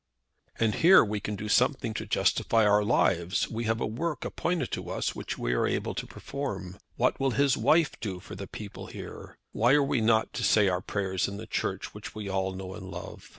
"And here we can do something to justify our lives. We have a work appointed to us which we are able to perform. What will his wife do for the people here? Why are we not to say our prayers in the Church which we all know and love?